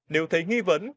nếu thấy nghi vấn